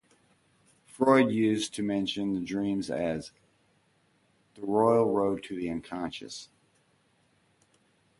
Freud used to mention the dreams as "The Royal Road to the Unconscious".